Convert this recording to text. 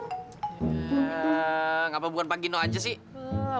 ya ngapa bukan pak gino aja sih